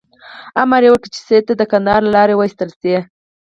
امر یې وکړ چې سید دې د کندهار له لارې وایستل شي.